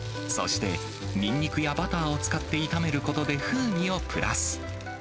そして、ニンニクやバターを使って炒めることで、風味をプラス。